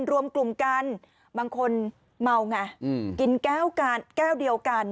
รวมกลุ่มกันบางคนเมาไงกินแก้วเดียวกัน